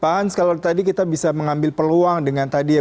pak hans kalau tadi kita bisa mengambil peluang dengan tadi ya